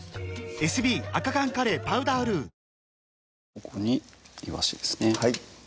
ここにいわしですねはい